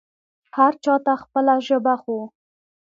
هر چا ته خپله ژبه خو